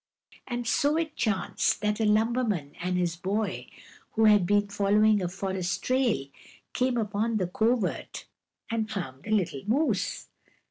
And so it chanced that a lumberman and his boy, who had been following a forest trail, came upon the covert and found the little moose.